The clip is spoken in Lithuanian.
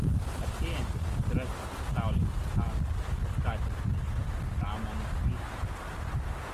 Artėjantis Antrasis pasaulinis karas paskatino mieste pramonės vystymą.